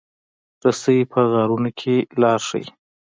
رسۍ په غارونو کې لار ښيي.